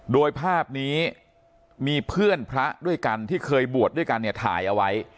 โดยภาพนี้มีเพื่อนพระด้วยกันที่เคยบวชด้วยกันเนี่ยถ่ายเอาไว้